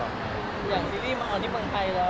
อย่างซีรีส์มันนี่บางใครเอา